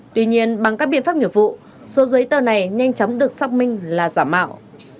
tuy nhiên bằng các biện pháp nghiệp vụ số giấy tờ này nhanh chóng được xác minh là giả mạo